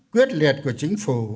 quyết liệt của chính phủ